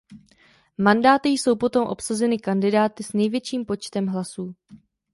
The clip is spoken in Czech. Mandáty jsou potom obsazeny kandidáty s největším počtem hlasů.